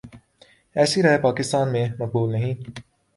ایسی رائے پاکستان میں مقبول نہیں۔